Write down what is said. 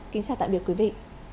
kính chào tạm biệt quý vị